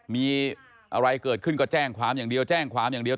มีอะไรเกิดขึ้นก็แจ้งความอย่างเดียวแจ้งความอย่างเดียว